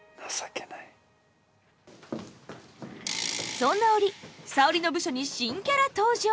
そんな折沙織の部署に新キャラ登場！